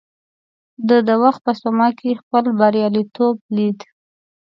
ده د وخت په سپما کې خپل برياليتوب ليد.